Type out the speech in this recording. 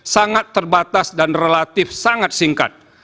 sangat terbatas dan relatif sangat singkat